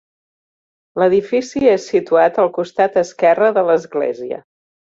L'edifici és situat al costat esquerre de l'església.